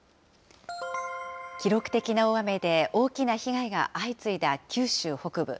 記録的な大雨で大きな被害が相次いだ九州北部。